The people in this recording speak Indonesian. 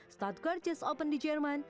stuttgart jazz open di jerman